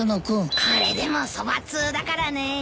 これでもそばツウだからね。